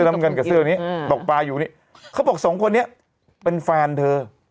น้ำเงินกับเสื้อนู้นเบาะปลาอยู่ไงเขาบอกสองคนนี้เป็นเธอ